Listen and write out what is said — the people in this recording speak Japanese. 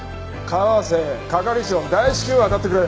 川瀬係長も大至急あたってくれ。